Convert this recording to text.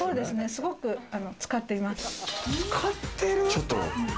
すごく使ってます。